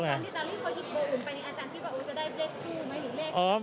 ตอนที่ตอนนี้พออีกเบอร์อุ่นไปอาจารย์คิดว่าจะได้เลขผู้ไหมหรือเลข